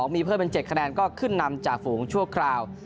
มีเพิ่มเป็น๗คะแนนก็ขึ้นนำจ่าฝูงชั่วคราว